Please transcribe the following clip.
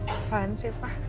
apaan sih pak